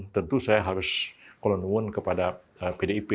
tentu saya harus colonuun kepada pdip